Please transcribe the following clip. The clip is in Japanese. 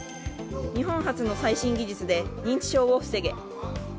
日本発の最新技術で認知症を防げ。